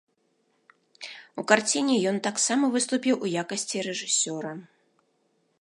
У карціне ён таксама выступіў у якасці рэжысёра.